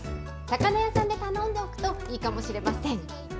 魚屋さんで頼んでおくといいかもしれません。